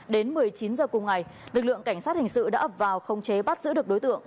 đến một mươi chín h cùng ngày lực lượng cảnh sát hình sự đã ập vào không chế bắt giữ được đối tượng